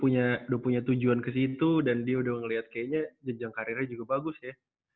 udah punya tujuan ke situ dan dia udah ngeliat kayaknya jenjang karirnya juga bagus ya